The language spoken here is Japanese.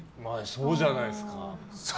そうじゃないですか。